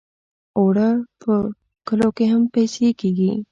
اوړه په کلو کې هم پېسې کېږي